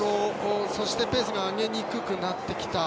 そしてペースが上げにくくなってきた。